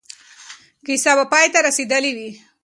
کیسه به پای ته رسېدلې وي.